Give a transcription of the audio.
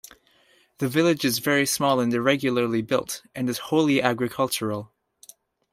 The village is very small and irregularly built, and is wholly agricultural.